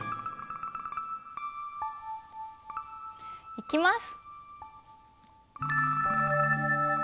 いきます！